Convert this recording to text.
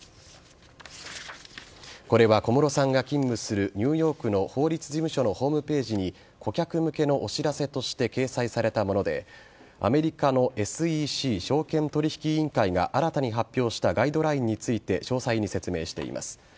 これは小室さんが勤務するニューヨークの法律事務所のホームページに顧客向けのお知らせとして掲載されたものでアメリカのＳＥＣ＝証券取引委員会が新たに発表したガイドラインについて詳細に説明しています。